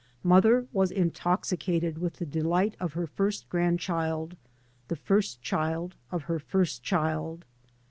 Mother was intoxicated with the delight of her first grandchild, the first child of her first child.